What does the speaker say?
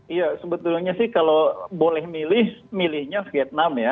iya sebetulnya sih kalau boleh milih milihnya vietnam ya